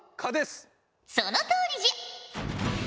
そのとおりじゃ。